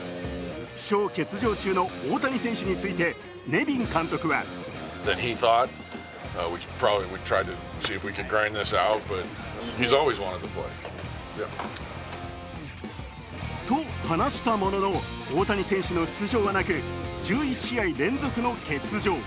負傷、欠場中の大谷翔平選手について、ネビン監督はと話したものの大谷選手の出場はなく１１試合連続の欠場。